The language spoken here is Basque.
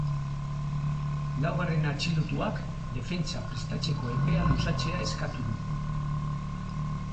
Laugarren atxilotuak defentsa prestatzeko epea luzatzea eskatu du.